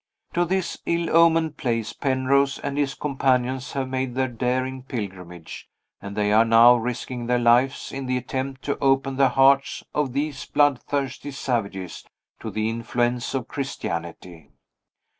To this ill omened place Penrose and his companions have made their daring pilgrimage; and they are now risking their lives in the attempt to open the hearts of these bloodthirsty savages to the influence of Christianity.